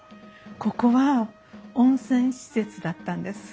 ここは温泉施設だったんです。